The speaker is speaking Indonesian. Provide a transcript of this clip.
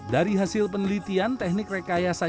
dari hasil penelitian teknik rekayasa